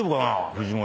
藤森。